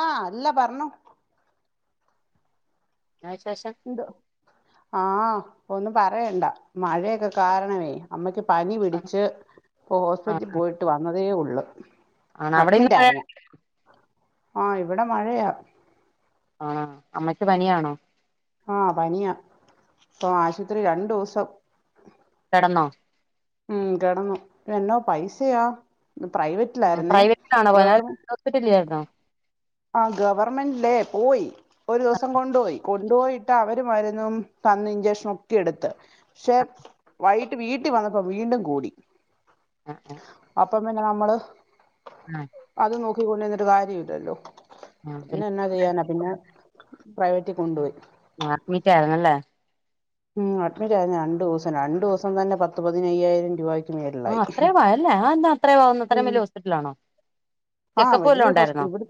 ആഹ് അല്ല പറഞ്ഞോ എന്നാ വിശേഷം? ആഹ് ഒന്നും പറയണ്ട മഴയൊക്കെ കാരണമേ- അമ്മയ്ക്ക് പനി ആ പിടിച്ച് ഇപ്പോ ആ ഹോസ്പിറ്റലിൽ പോയിട്ട് വന്നതേയുള്ളൂ. ആണോ അവിടെ ഇന്ന് മഴ അഡ്മിറ്റായിരുന്നു ആഹ് ഇവിടെ മഴയാ- ആഹ് അമ്മയ്ക്ക് പനിയാണോ? ആഹ് പനിയാ ഇപ്പോ ആശുപത്രി രണ്ടു ദിവസം- കിടന്നോ? ഉം കെടന്നു എന്നോ പൈസയാ പ്രൈവറ്റിലായിരുന്നേ ഗവർ ഹോസ്പിറ്റലില്ലായിരുന്നോ ആഹ് ഗവർമെന്റിലേ പോയി ഒരു ദിവസം കൊണ്ടുപോയി കൊണ്ടുപോയിട്ട് അവര് മരുന്നും തന്ന് ഇഞ്ചക്ഷൻ ഒക്കെ എട്ത്ത്. പക്ഷെ വൈകിട്ട് വീട്ടി വന്നപ്പോ വീണ്ടും കൂടി ആഹ് ആഹ് അപ്പം പിന്നെ നമ്മള് ആഹ. അത് നോക്കിക്കൊണ്ടിരുന്നിട്ട് കാര്യം ഇല്ലല്ലോ. ആ പിന്നെ എന്നാ ചെയ്യാനാ പിന്നെ പ്രൈവറ്റി കൊണ്ടുപോയി. ആഹ് അഡ്മിറ്റ് ആയിരുന്നല്ലേ? ഉം അഡ്മിറ്റ് ആയിരുന്നു രണ്ടു ദിവസം രണ്ടു ദിവസം തന്നെ പത്ത് പതിനയ്യായിരം രൂവ ആ അത്രയും ആയ അല്ലേ അതെന്താ അത്രയും ആവുന്ന് അത്രയും വലിയ ഹോസ്പിറ്റല് ആണോ? ആഹ് വല്യ ഹോസ്പി ഇവട്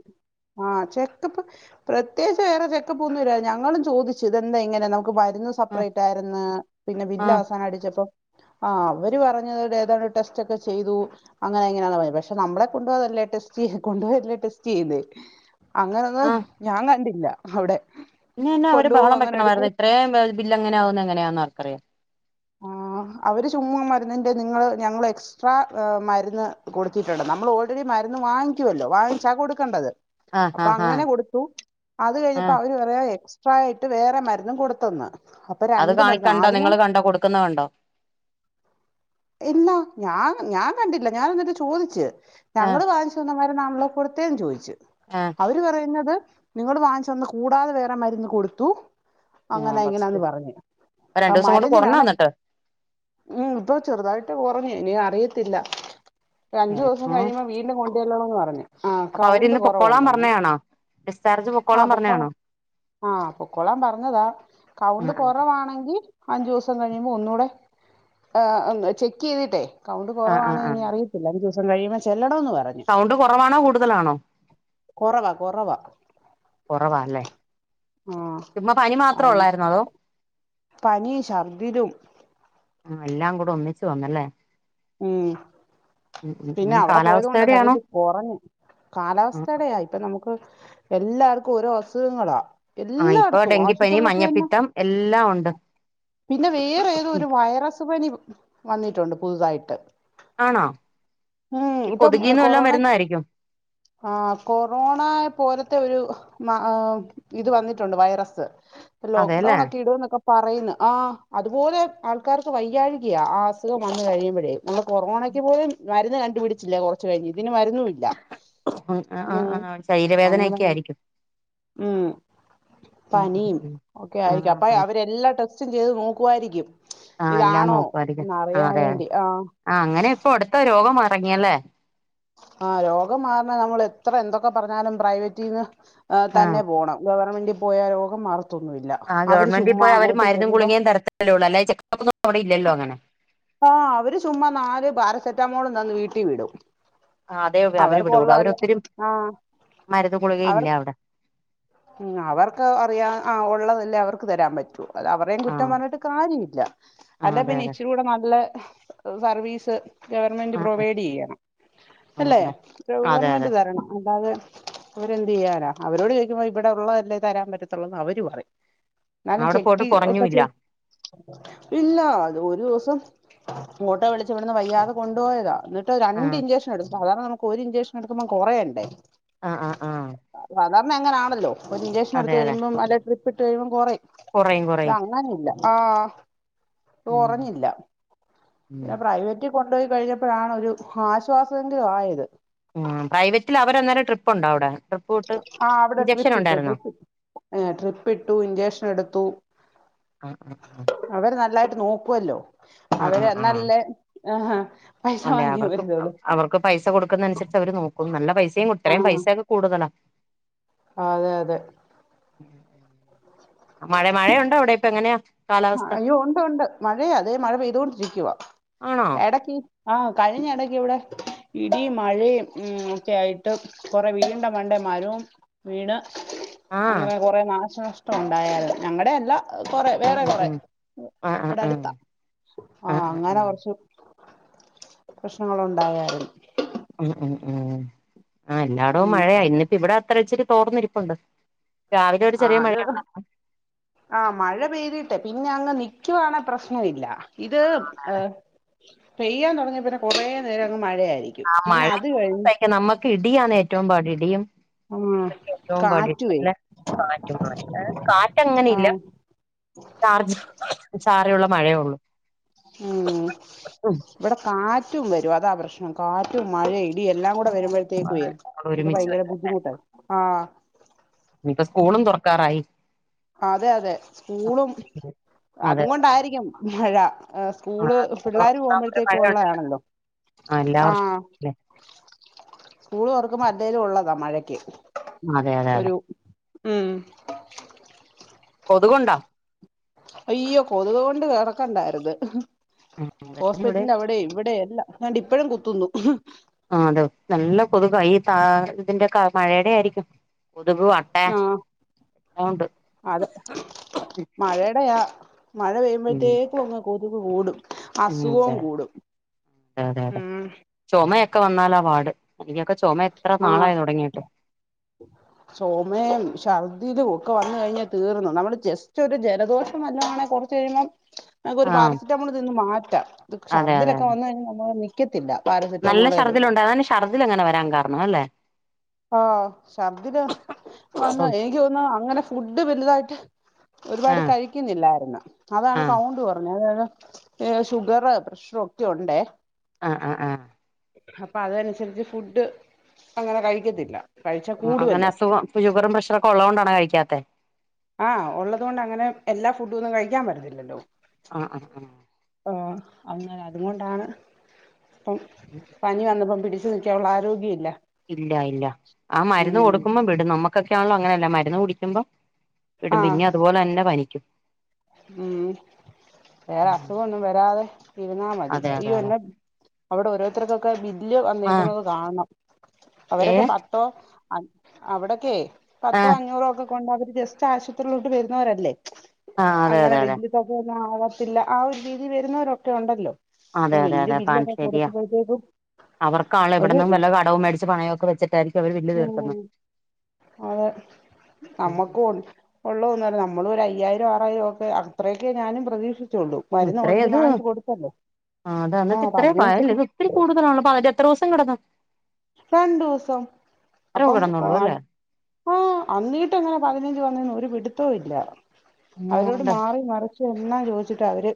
ആ ചെക്കപ്പ് പ്രത്യേകിച്ച് വേറെ ചെക്കപ്പ് ഒന്നും ഇല്ല ഞങ്ങളും ചോദിച്ചു ഇതെന്താ ഇങ്ങനെ നമുക്ക് മരുന്ന് ആ സെപ്പറേറ്റ് ആയിരുന്ന് പിന്നെ ആ ബില്ല് അവസാനം അടിച്ചപ്പോ ആഹ് അവര് പറഞ്ഞത് ഏതാണ്ട് ടെസ്റ്റ് ഒക്കെ ചെയ്തു. അങ്ങനെ എങ്ങനെയാന്നാ പയ പക്ഷേ നമ്മളെ കൊണ്ട് പോവാതല്ലേ ടെസ്റ്റ് ചെയ കൊണ്ടുപോയല്ലേ ടെസ്റ്റിയ്ണ്ട് അങ്ങനൊന്ന് ഞാൻ കണ്ടില്ല അവടെ ഇനിയെന്നാ അവര് ബഹളം വെക്കണമായിരുന്നു ഇത്രയേം വൽ ബില്ല് എങ്ങനെയാ ആവുന്നെങ്ങനെയാന്ന് ആർക്കറിയാം. ആഹ് അവര് ചുമ്മാ മരുന്നിന്റെ നിങ്ങള് ഞങ്ങള് എക്സ് ട്രാ മരുന്ന് കൊടുത്തിട്ടുണ്ട് നമ്മൾ ഓൾറെഡി മരുന്ന് വാങ്ങിക്കുവല്ലോ വാങ്ങിച്ചാ കൊടുക്കണ്ടത്. ആ അപ്പ ആ ആ അങ്ങനെ കൊടുത്തു അത് ആ കഴിഞ്ഞപ്പോ അവര് പറ യാ എക്സ്ട്രാ ആയിട്ട് വേറെ മരുന്നും കൊടുത്തന്ന് അപ്പോ അത് രണ്ട് മരുന്നോ കാണിക്കണ്ടോ ആദ്യമേ നിങ്ങള് കണ്ടോ കൊടുക്കുന്ന കണ്ടോ? ഇല്ല ഞാൻ ഞാൻ കണ്ടില്ല ഞാൻ എന്നിട്ട് ചോദിച്ച് ആ ഞങ്ങള് വാങ്ങിച് തന്ന മരുന്നാണല്ലോ കൊടുത്തേന്ന് ചോയ്ച്ച് ഏഹ് അവര് പറയുന്നത് നിങ്ങള് വാങ്ങിച്ച് തന്ന കൂടാതെ വേറെ മരുന്ന് കൊടുത്തു ആ അങ്ങനാ ഫസ്റ്റ് ഇങ്ങനാന്ന് പറഞ് ആ രണ്ടു ദിവസം കൊണ്ട് കുറഞ്ഞോ മരുന്നിനാണ് എന്നിട്ട് ഉം ഇപ്പ ചെറുതായിട്ട് കൊറഞ് ഇനി അറിയത്തില്ല അഞ്ചു ദിവസം ആ കഴിയുമ്പോ വീണ്ടും കൊ ണ്ടെല്ലണോന്ന് പറഞ് അപ്പൊ അവര്ന്ന് പൊക്കോളാൻ പറഞ്ഞതാണോ ഡിസ്ചാർജ് പൊക്കോളാൻ പറഞ്ഞതാണോ ആഹ് പൊക്കോളാൻ പറഞ്ഞതാ കൗണ്ട് ആഹ് കൊറവാണെങ്കി അഞ്ചു ദിവസം കഴിയുമ്പോ ഒന്നൂടെ ഏഹ് ചെക്ക് ചെയ്തിട്ടേ കൗണ്ട് ആഹ് ആഹ് ആഹ് കൊറവാണെ ഇനി ആഹ് അറി ത്തില്ല അഞ്ചൂസം കഴിയുമ്പൊ ചെല്ലണോന്ന് ന്ന് പറ സൗണ്ട് കൊറവാണോ കൂടുതലാണോ കൊറവാ കൊറവാ കൊറവാല്ലേ ആ ചുമ്മാ പനി മാത്ര അത് ഉള്ളാരുന്നോ അതോ പനി ശർദിലും ആ എല്ലാം കൂടെ ഒന്നിച്ച് വന്നല്ലേ ഉം ഉം ഉം പിന്നെ ഇനി അവടെ പോയത് കൊണ്ടാ കാലാവസ്ഥയുടെ ആണോ സത്യത്തി കൊറഞ് ആഹ് കാലാവസ്ഥേടയാ ഇപ്പൊ നമുക്ക് എല്ലാർക്കും ഓരോ അസുഖങ്ങളാ ആഹ് ഇപ്പൊ എല്ലാടത്തും ഡെങ്കിപ്പനി ആശുപത്രിയിലൊക്കെ എന്നാ മഞ്ഞപ്പിത്തം എല്ലാം ഉണ്ട് പിന്നെ വേറെ ഏതോ ഒരു വൈറസ് പനി വന്നിട്ടുണ്ട് പുതുതായിട്ട് ആണോ ഉം ഈ കൊതുകീന്ന് വല്ലോം വരുന്നതായിരിക്കും ആഹ് കൊറോണ പോലത്തെ ഒരു മ ആ ഇത് വന്നിട്ടുണ്ട് വൈറസ് ഇ ലോക്ക്ഡൌൺ അതെല്ലേ ഒക്കെ ഇടു എന്നൊക്കെ പറയുന്ന് ആഹ് അതുപോലെ ആൾക്കാർക്ക് വയ്യാഴികയാ ആ അസുഖം വന്നു കഴിയുമ്പഴേ നമ്മൾ കൊറോണയ്ക്ക് പോലും മരുന്ന് കണ്ടുപിടിച്ചില്ല കുറച്ച് കഴിഞ്ഞ് ഇതിന് മരുന്നുംല്ല ആ ശരീരവേദന അങ്ങനെ ഒക്കെ ആയിരിക്കും ഉം ഉം പനിയും ഉം ഉം ഒക്കെ ആയിരിക്കും അപ്പ ആഹ് അവരെല്ലാ ടെസ്റ്റും ചെയ്ത് നോക്കുവായിരിക്കും ആഹ് എല്ലാം ഇതാണോ എന്ന അറിയാൻ വേണ്ടി ആഹ ആ അങ്ങനെ ഇപ്പൊ അടുത്ത രോഗം ഇറങ്ങിയല്ലേ ആ രോഗം മാറണ നമ്മൾ എത്ര എന്തൊക്കെ പറഞ്ഞാലും പ്രൈവറ്റിൽന്ന് ആ ആഹ് തന്നെ പോണം ഗവർമെന്റിൽ പോയ രോഗം മാറത്തൊന്നുമല്ല ആഹ ഗവൺമെന്റ് ഇപ്പോ അവര് മരുന്നും ഗുളിക തരല്ലേള്ള അല്ല ചെക്കപ്പൊന്നും അവി ഇല്ലോ അങ്ങനെ ആഹ അവര് ചുമ്മാ നാല് പാരസെറ്റാമോൾന്ന് വീട്ടിൽ വിടും ആ അതേ അവര് അവർക്ക വിടുള്ളൂ കൊള്ളല്ല അവരൊത്തിരി ആഹ മരുന്നും ഗുളികയും അവർ ഇല്ല അവിടെ അവർക്ക് അറിയാ ആ ഉള്ളതല്ലേ അവർക്ക് തരാൻ പറ്റോ അവരയും ആ കുറ്റം പറഞ്ഞിട്ട് കാര്യമില്ല ആ അല്ല അതെ പിന്നെ അതെ ഇച്ചിരി കൂടെ നല്ല സർവീസ് ആ ഗവൺമെന്റ് ആ പ്രൊവൈഡ് ചെയ്യണം ആ അല്ലെ അതെ അതെ അതെ ഗവൺമെന്റ് തരണം അതാത് ഇവരെന്ത് ചെയ്യാനാ അവരോട് ചോദിക്കുമ്പോ ഇവിടെ ഉള്ളതല്ലേ തരാൻ പറ്റത്തുള്ളൂന്ന് അവര് പറയും ഞാനും അവിടെ പോയിട്ട് ചെക്കി ഒക്കെ കുറഞ്ഞുമില്ല പില്ല അത് ഒരു ദിവസം ഓട്ടോ വിളിച്ച ഇവിടുന്ന് വയ്യാതെ കൊണ്ടുപോയതാ എന്നിട്ട് ആ രണ്ട് ഇഞ്ചക്ഷൻ എടുക്കും സാധാരണ നമുക്ക് ഒരു ഇൻചെക്ഷൻ എടുക്കുമോം കുറേണ്ടേ ആ ആ സാധാരണ എ അങ്ങനാണല്ലോ ഇ ഇൻചക്ഷൻ അതെ എടുത്ത് അതെ കഴിയുമ്പം അല്ലെ ട്രിപ്പ് ഇട്ട് കഴുമ്പം കുറേ കുറയും കുറയും അങ്ങാനില്ല ആഹ ഉം കുറഞ്ഞില്ല ഉം പിന്നെ പ്രൈവറ്റ് പറ്റി കൊണ്ടുപോയി കഴിഞ്ഞപ്പോഴാണ് ഒരു ആശ്വാസആയത് ഉം പ്രൈവറ്റിൽ അവരെ ന്നേരം ട്രിപ്പ് ഉണ്ടോ അവടെ ആഹ അവിടെ ട്രിപ്പ് ഇട്ടു ഇഞ്ചക്ഷൻ എടുത്തു. [unintelligible] അവര് നല്ലായിട്ട് നോക്കുവല്ലോ ആ ആ അവര് ആ ആ പൈസ അതെ വാങ്ങിയേ അവർക്ക് വരുന്നുള്ളൂ അവർക്ക് പൈസ കൊടുക്കുന്ന അനുസരിച്ച് അവര് നോക്കും നല്ല പൈസയും ഇത്രയും പൈസയൊക്കെ കൂടുതലാ ആഹ അതെ അതെ മഴയുണ്ടോ അവിടെ ഇപ്പ എങ്ങനെയാ? ആ കാലാവസ്ഥ അയ്യോ ഉണ്ട് ഉണ്ട് മഴയ അതേ മഴ പെയ്തോണ്ടിരിക്കുവാ ആണോ എടക്കി ആഹ കഴിഞ്ഞ ഇടയ്ക്ക് ഇവിടെ ഇടി മഴയും ഉ ഒക്കെ ആയിട്ട് കൊറെ വീടിണ്ട മണ്ടേ മരവും വീണ് ആഹ് അങ്ങനെ കൊറെ നാശനഷ്ടം ഉണ്ടായാ ഞങ്ങളടെ അല്ല കൊറ ഉം വേറെ ഉം കൊറെ ഉം ആഹ് ആഹ് ഇവടെ അടുത്താ ആ ആഹ് ആഹ് ആഹ് അങ്ങനെ ആഹ് കൊറച്ച് പ്രശ്നങ്ങൾ ഉണ്ടായാലും എല്ലായിടവും ഉം മഴയാ ഇന്നിപ്പം ഇവിടെ അത്ര ഇച്ചിരി തോർന്നിരിപ്പുണ്ട് രാവിലെ ഒരു ആഹ ചെറിയ അതെ മഴയാണ് ആഹ മഴ പെയ്തിട്ട് പിന്നെ അങ്ങ് നിൽക്കുവാണെ പ്രശ്നമില്ല ഇത് പെയ്യാൻ തൊടങ്ങിയ പിന്നെ കുറേ നേരം അങ്ങ് മഴയായി ആ മഴ സഹിക്കാം നമ്മക്ക് ഇടിയാണ് ഏറ്റവും പാട് ആഹ് ഏറ്റവും പാട് കാറ്റുവേ പിന്നെ കാറ്റും [unintelligible] കാറ്റ അങ്ങനെ ഇല്ല ആഹ് ചാർജ് ചാറുള്ള മഴയേ ഒള്ളു ഉം ഇവിടെ കാറ്റും വരും അതാ പ്രശ്നം കാറ്റും മഴെ ഇടി എല്ലാം കൂടെ വരുമ്പോഴ്‌ തേക്ക് [unintelligible] ഒരുമിച്ച് ഭയങ്കര വരും ബുദ്ധിമുട്ടായി ആ ഇഞ്ഞി പ്പ സ്കൂളും തൊറക്കാറായി. അതെ അതെ സ്കൂളും അത് അതെ കൊണ്ടായിരിക്കും മഴ സ്കൂള് ആഹ് പിള്ളാര് തുറക്കാൻ ഒരു പോകുമ്പോഴത്തേക്ക് മഴയുണ്ടല്ലോ ഉള്ളാണല്ലോ ആഹ് എല്ലാ ആ വർഷവും ല്ലേ സ്കൂള് തൊർക്കുമ്പോ അല്ലേലും ഉള്ളതാ മഴക്ക് അതെ അതെ അതെ ഒരു ഉം കൊതുകുണ്ടോ അയ്യോ കൊതുകു കൊണ്ട് കടക്കണ്ടായിരുത് ഉം അതെ ഇവിടെ ഹോസ്പിറ്റലിന്റെ അവിടെ ഇവിടെ എല്ലാം താണ്ടി ഇപ്പഴും കുത്തുന്നു ആ അതെ നല്ല കൊതുക ഈ ത ഇതിന്റെ മഴയുടെ ആയിരിക്കും കൊതുക് ആ എല്ലാം ഉണ്ട് അതെ മഴടെയാ മഴ ഉം പെയ്യുമ്പഴത്തേക്കും അങ്ങ് കൊതുക് കൂടും ഉം അസുഖം അതെ കൂടും ഉം ചോമയൊക്കെ വന്നാലാ പാട് എനിക്കൊക്കെ ചുമ എത്ര നാളായി തൊടങ്ങീട്ട് ചൊമയും ശർദ്ദിലും ഒക്കെ വന്ന് കഴിഞ്ഞാൽ തീർന്നു നമ്മള് ജെസ്റ്റ് ഒരു ജലദോഷം വല്ലോ ആണങ്കിൽ കൊറച്ച് കഴുമ്പോ നമുക്ക് ഒരു ആഹ് പാരസറ്റാമോൾ തിന്ന് മാറ്റാം ഇത് അതെ അതെ ശർദ്ദിലോക്കെ അതെ വന്നു കഴിഞ്ഞാ നമ്മൾ [unintelligible] നിക്കത്തില്ല പാരസറ്റാമോളെലൊന്നും ചർദ്ദിൽ അങ്ങനെ വരാൻ കാരണം അല്ലേ ആഹ ശർദ്ദില് വന്ന് ആഹ് എനിക്ക് തോന്നുന്നു അങ്ങനെ ഫുഡ് വലുതായിട്ട് ഒരുപാട് കഴിക്കുന്നില്ലായിരുന്നു അതാണ് ആഹ് കൗണ്ട് കൊറഞ്ഞത്അതായത് ഏ ഷുഗർ പ്രഷറ് ഒക്കെ ഉണ്ടേ ആഹ്‌ ആഹ്‌ ആഹ് അപ്പോ അതനുസരിച്ച് ഫുഡ് അങ്ങനെ കഴിക്കത്തില്ല കഴിച്ചാ ആ അങ്ങനെ കൂടുവല്ലോ അസുഖം ഷുഗറും പ്രഷറൊക്കെ ഒള്ളോണ്ടാണോ കഴിക്കാത്തെ ആ ഉള്ളതുകൊണ്ട് അങ്ങനെ എല്ലാ ഫുഡും ഒന്നും കഴിക്കാൻ പറ്റത്തില്ലല്ലോ ആഹ്‌ ആഹ്‌ ആഹ്‌ ആഹ്‌ അങ്ങനെ അതുകൊണ്ടാണ് ഇപ്പം [unintelligible] പനി വന്നപ്പോം പിടിച്ചു നിൽകാനു ള്ള ആരോഗ്യം ഇല്ല ഇല്ല ഇല്ല ആ മരുന്ന് ഉം കൊടുക്കുമ്പം വിടും നമ്മക്കൊക്കെ ആണല്ലോ അങ്ങനെയല്ല മരുന്ന് കുടിക്കുമ്പോ വിടും ആഹ് പിന്നെ അതുപോലെ തന്നെ പനിക്കും ഉം വേറെ അസുഖം ഒന്നും വരാതെ ഇരുന്നാ മതി അതെ ഈ അതെ അതെ ഒന്നെ അവിടെ ഓരോരുത്തർക്കൊക്കെ ബില്ല് ആഹ് വന്നേക്കുന്നത് കാണണം അവരൊക്കെ ഏഹ് പത് പ അവിടക്കെ പത്തോ ആഹ് അഞ്ഞൂറോ ഒക്കെ [unintelligible] ജസ്റ്റ് ആശുപത്രിയിലോട്ട് വരുന്നവരല്ലേ ആഹ് അതെ അങ്ങനെ അതെ അതെ വല് [unintelligible] ആകത്തില്ല ആ ഒരു രീതി വരുന്നവരൊക്കെ ഉണ്ടല്ലോ അപ്പൊ അതെ അതെ വല്യ അതെ പാ ബില്ലൊക്കെ ശരിയാ കൊടുക്കുമ്പോഴത്തേക്കും അവർക്ക ആള് ഒരു എവിടന്നും വല്ല കടവും മേടിച്ച് പണയക്കെ വെച്ചിട്ട് [unintelligible] ഉം അതെ നമ്മകൊ ഉള്ളുന്നറി നമ്മളൊ ഒരു അയ്യായിരം ആറായിരം ഒക്കെ അത്രയൊക്കെ ഞാനും പ്രതീക്ഷിചൊള്ളൂ മരുന്ന് ഓൾറെഡി ഇത് വാങ്ങിച്ച് കൊടുത്തല്ലോ ആ അത അന്നി് ട്ട് ആഹ് ഇത്രയും ഫയൽ പതിനഞ്ചൊക്കെ ഇത് ഇത്തിരി കൂടുതലണോ [unintelligible] എത്ര ദോസം കിടന്നു രണ്ടോസം എത്രയോ അപ്പംഅ കിടന്നുള്ളൂ അല്ലേ ആഹ്‌ അന്നീട്ട് എങ്ങനെ പതിനഞ്ച് വന്നന്ന് ഒരു പിടുത്തോ ഇല്ല അവരോട് അങ്ങോണ്ട് മാറി മറച്ച്ു എല്ലാം ചോദിച്ചിട്ട് അവര്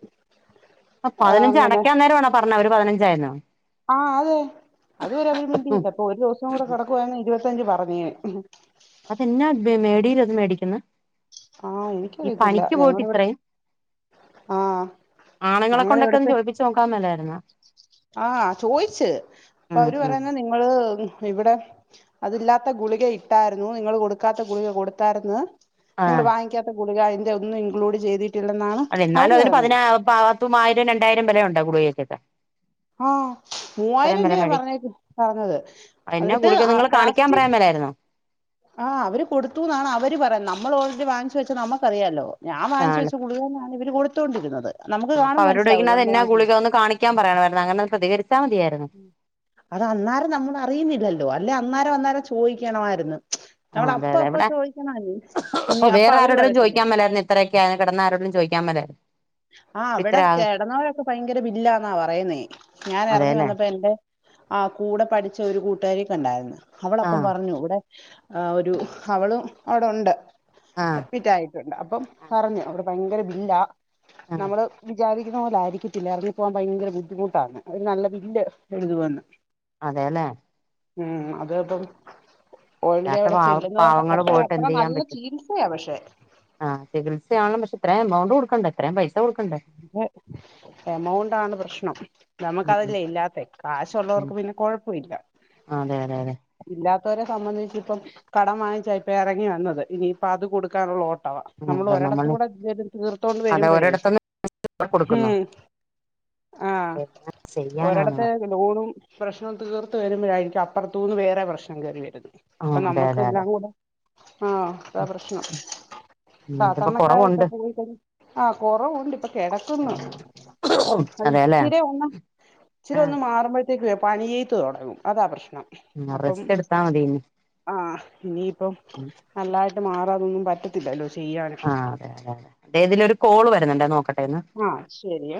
ആ ആഹ് പതിനഞ്ച് അങ്ങനെ അടക്കാൻ നേരാണോ പറഞ്ഞത് അവര് പതിനഞ്ചായിന്നു ആഹ്‌ അതെഅത് വരെ മിണ്ടി ഉം ഇല്ല ഇപ്പൊ ഒരു ദിവസം കൂടെകെ ടക്കുന്ന് ഇരുപത്തഞ്ച് പറഞ്ഞ അതെന്നാ മേടില അത് മേടിക്കുന്ന ആഹ് ഈ എനിക്കറിയത്തില്ല പണിക്ക് പോയിട്ട് ഞങ്ങടെ ഇവിടെ ഇത്രയും ആഹ് ആണുങ്ങളെകൊണ്ടൊക്കെ ഒന്ന് ചോയിപ്പിച്ച്നോക്കാമേല്ലായിരുന്നോ? ആഹ്‌ ചോയിിച്ച അപ്പ അവര് ഉം പറയുന്ന നിങ്ങള് ഇവിടെ അതില്ലാത്ത ഗുളിക ഇട്ടായിരുന്നു നിങ്ങള്ൾ കൊടുക്കാത്ത ഗുളിക കൊടുത്താര്ന്ന് നിങ്ങള്ൾ ആഹ് വാങ്ങിക്കാത്ത ഗുളിക ഐ ന്റെ ഒന്ന് ഇക്ലൂഡ് ചെയ്തി അത എന്നാലും അതിന് പതിന പത്തും ആയിരം രണ്ടായിരം വരെ ഉണ്ട ഗുളകക്കെ? ആഹ് പറയാൻ മൂവായിരം പറ രൂപ മടി പറഞ്ഞേക്ക് പറഞ്ഞത് അയന്നെ എന്നിട്ട് ഗുളിക നിങ്ങള് കാണിക്കാൻ ലാസ്റ്റ് പറയാൻ മേലായ്ര്ന്നോ ആഹ് അവര് കൊടുത്തുന്നാണ് അവര് പറയ്ന്ന നമ്മളോൾറെഡി വാങ്ങിച്ച് വെച്ചാ നമക്കറിയാലാേ ഞാൻ വാങ്ങിച്ച് ആഹ് വച്ച ഗുളികന്നാണ് ഇവര് കൊട്ത്തോണ്ടിര്ന്നത് ആഹ് അപ്പ അവരോടോയ്ക്കണം അത് എന്നാ ഗുളക ഒന്ന് കാണിക്കാം പറയണമായിര്ന്ന് അങ്ങനൊന്ന് പ്രതികരിച്ചാ മതിയായ്ര്ന്നു അത് അന്നേരം നമ്മള് അറിയുന്നില്ലല്ലോ അല്ലെ അന്നേരം അന്നേരം ചോയ്ക്കണമായിര്ന്ന് ആഹ് നമ്മള് അതെ അപ്പ അതെ അപ്പ ഇവിടെ ചോദിക്കണാ ഇനി അപ്പ അവര് പറയത്തില്ലേ ഇത്രൊക്ക ആയി കെടന്നാരരോടെലും ചോയ്ക്കാൻ വരാൻ ആഹ് അവിടെ കെടെന്നാേരൊക്കെ ഭയങ്കര ബില്ലാന്നാ പറയ്ന്നേ ഞാൻ എറെങ്ങി അതെല്ലേ വന്നപ്പ എന്റെ ആഹ് കൂടെ പഠിച്ച ഒരു കൂട്ടുകാരിയെ കണ്ടായിര്ന്ന് അവളപ്പം ആഹ് പറഞ്ഞു വിടെ ആഹ് ഒരു അവളും അവിടെ ഉണ്ട് ആഹ് അട്മിറ്റായി ട്ട്ണ്ട് അപ്പം പറഞ്ഞു അവിടെ ഭയെങ്കെര ബില്ലാ ആഹ് നമ്മള് വിചാരിക്കുന്ന പോലെ ആയിരിക്കത്തില്ല [unintelligible] പ്പം ഭയങ്കര ബുദ്ധിമുട്ടാന്ന് അവര് നല്ല ബില്ല് എഴ്തുവെന്ന് അതേലേ ഉം അത് അപ്പം ഓൾറെഡി ഇല്ലാത്ത അവിടെ പാവ ചെല്ലുന്നവർക്ക് പാവങ്ങള് അത്ര പോയിട്ട് അത്ര എന്ത് ചെയ്യാൻ നല്ല പറ്റും ചികിത്സയാ പക്ഷെ ആഹ് ചികിത്സയാണ് പക്ഷെ ത്രേ എമൗണ്ട് കൊട്ക്കണ്ടേ ഇത്രേം പൈസ കൊട്ക്കണ്ടേ ങ്ങേ എമൗണ്ടാണ് പ്രശ്നം നമുക്ക് ഉം ഉം അതല്ലേ ഇല്ലാത്തെ കാശുള്ളവർക്ക് പിന്നെ കൊഴപ്പവില്ല ആഹ് അതെ അതെ അതെ ഇല്ലാത്തവരെ സംബന്ധിച്ച് ഇപ്പം കടം വാങ്ങിച്ച ഇപ്പ എറെങ്ങി വന്നെത് ഇനിയിപ്പ അത് കൊട്ക്കാനുള്ള ഓ ട്ടവാ ഉം അതെ നമ്മള് നമ്മളൊരടത്തൂടെ [unintelligible] തീർത്തോണ്ട് അതെ വെര്മ്പഴേ ഒരിടത്തുന്ന് കൊടുക്കുന്നു ഹും ആഹ് എന്നാ ചെയ്യാനാന്ന് ഒരെടെത്ത് പറ ലോണും പ്രശ്നം തീർത്ത് വര്മ്പഴായിരിക്കും അപ്പർത്തൂന്ന് വേറെ പ്രശ്നം കേറി വര്ന്നെ ആഹ് അപ്പം അതെ നമ്മക്ക് അതെ അതെ എല്ലാം കൂടെ ആഹ് അതാ പ്രശ്നം ഉം ഇതിപ്പോ സാധാരണക്കാരൊക്കെ കൊറവുണ്ട് പോയി കയ് ആഹ് കൊറവുണ്ട് പ്പം കെടെക്കുന്നു അത് അതെല്ലേ ഇച്ചിരി ഒന്ന് ഇച്ചിരി ഒന്ന് മാറുമ്പഴ് ത്തേക്ക് പണീത്ത് താെടങ്ങും അതാ പ്രശ്നം ആഹ് അപ്പം റെസ്റ്റ് എടുത്താ മതി ഇനി ആഹ് ഇനിയിപ്പം ഉം നല്ലതായിട്ട് മാറാതൊന്നും പറ്റത്തില്ലല്ലോ ചെയ്യാന് ആ അതെ ഇതിലാെരു കോള് വര്ന്ന്ണ്ടെ നോക്ക ആഹ് ശെരിയെ